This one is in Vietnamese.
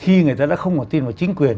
khi người ta đã không có tin vào chính quyền